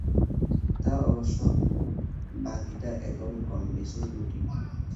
তা অবশ্য, বাকিটা এখন কমবেশি রুটিন।